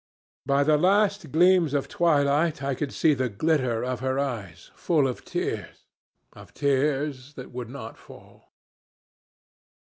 By the last gleams of twilight I could see the glitter of her eyes, full of tears of tears that would not fall.